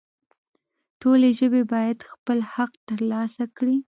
ټولې ژبې باید خپل حق ترلاسه کړي